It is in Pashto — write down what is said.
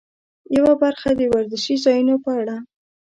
یوه برخه د ورزشي ځایونو په اړه.